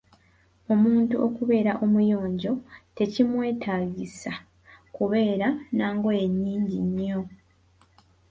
Omuntu okubeera omuyonjo tekimwetaagisa kubeera n'angoye nyingi nnyo.